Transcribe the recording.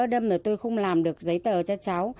đêm rồi tôi không làm được giấy tờ cho cháu